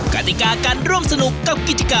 กติกาการร่วมสนุกกับกิจกรรม